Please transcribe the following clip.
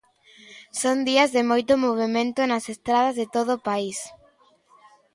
Son días de moito movemento nas estradas de todo o país.